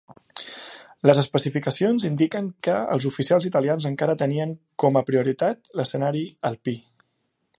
Les especificacions indiquen que els oficials italians encara tenien com a prioritat l'escenari alpí.